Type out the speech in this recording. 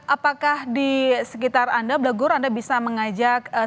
apakah di sekitar anda belegur anda bisa mengajak salah satu warga